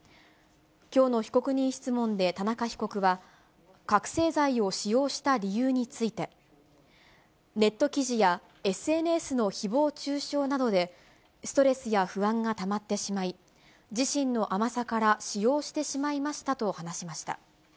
きょうの被告人質問で田中被告は、覚醒剤を使用した理由について、ネット記事やＳＮＳのひぼう中傷などで、ストレスや不安がたまってしまい、自身の甘さから使用してしまいましたと話しました。